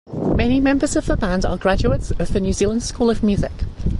Many members of the band are graduates of the New Zealand School of Music.